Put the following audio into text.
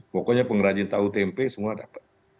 pokoknya pengrajin tahu tempe semua dapat